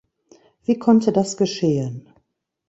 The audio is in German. Wie konnte das geschehen?